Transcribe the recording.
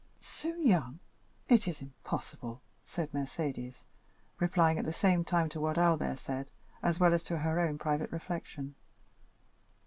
"So young,—it is impossible," said Mercédès, replying at the same time to what Albert said as well as to her own private reflection.